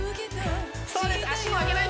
そうです